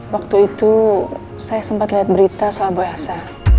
waktu itu saya sempat lihat berita soal bu elsa